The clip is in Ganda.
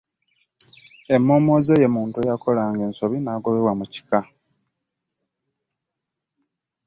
Emmommoze ye muntu eyakolanga ensobi n'agobebwa mu kika.